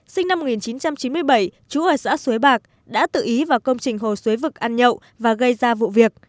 sinh năm một nghìn chín trăm chín mươi bảy trú ở xã suối bạc đã tự ý vào công trình hồ xuế vực ăn nhậu và gây ra vụ việc